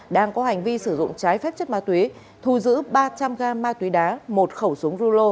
đang có hành vi sử dụng trái phép chất ma túy thu giữ ba trăm linh gam ma túy đá một khẩu súng rulo